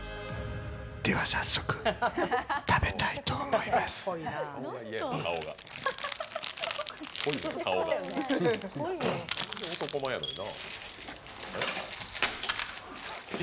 では、早速、食べたいと思います。